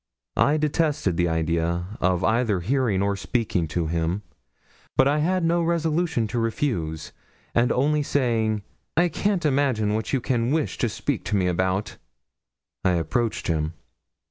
I detested the idea of either hearing or speaking to him; but I had no resolution to refuse, and only saying 'I can't imagine what you can wish to speak to me about,' I approached him.